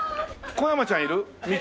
小山ちゃんいる？